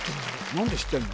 何で知ってんの？